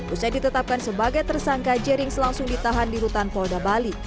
usai ditetapkan sebagai tersangka jerings langsung ditahan di rutan polda bali